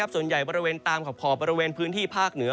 ส่วนใหญ่บริเวณตามขอบบริเวณพื้นที่ภาคเหนือ